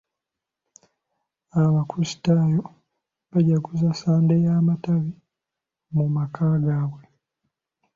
Abakrisitaayo baajaguza Sande y'amatabi mu maka gaabwe.